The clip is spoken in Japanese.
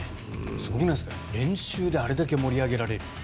すごくないですか、練習であれだけ盛り上げられるって。